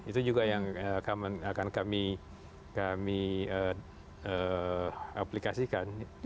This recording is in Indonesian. itu juga yang akan kami aplikasikan